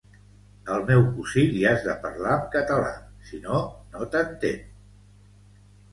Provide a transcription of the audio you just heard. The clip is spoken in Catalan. Al meu cosí li has de parlar amb català sinó no t'entén